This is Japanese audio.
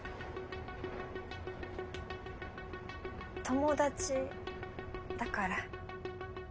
友達だから。